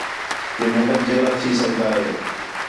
کہ میڈم جیلا تھی سڳدا ہے